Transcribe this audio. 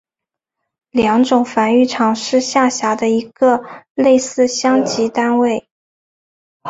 良种繁育场是下辖的一个类似乡级单位。